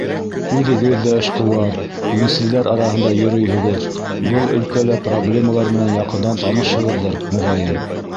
Үҙегеҙ ҙә эшҡыуар, йүнселдәр араһында йөрөйһөгөҙ, был өлкәлә проблемалар менән яҡындан танышһығыҙҙыр, моғайын...